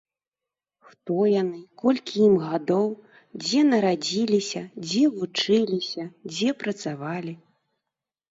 Хто яны, колькі ім гадоў, дзе нарадзіліся, дзе вучыліся, дзе працавалі.